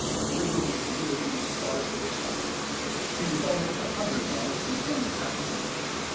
Laredo was nearly as far to the south. He was almost a hundred miles from any town.